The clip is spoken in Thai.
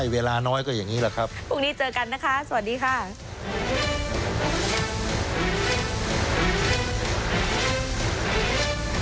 วันนี้ลากันก่อนคุณผู้ชมถ้าหากใครมีเรื่องราวอะไรอยากสื่อสารกับเรา